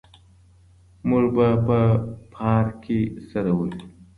موږ به په پارک کي سره ووينو.